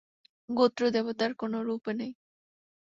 গোত্র দেবতার কোনও রূপ নেই।